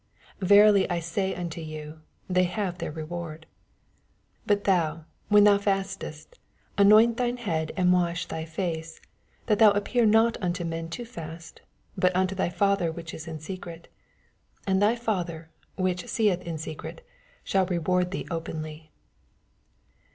Verily I say unto you, They haye their reward. 17 But thou, when thou fastest, anoint thine head, and wash thy face ; 18 That thou appear not unto men to fast, but unto tny Father which is in secret : and thy Father, which seeth in secret, shall reward thee openly.